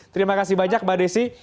terima kasih banyak mbak desi